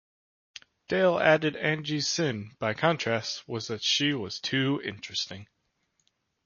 Dale added Angie's sin, by contrast, was that she was too interesting.